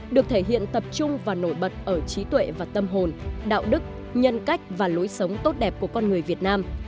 được thể hiện tập trung và nổi bật ở trí tuệ và tâm hồn đạo đức nhân cách và lối sống tốt đẹp của con người việt nam